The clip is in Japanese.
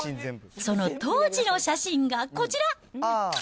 その当時の写真がこちら。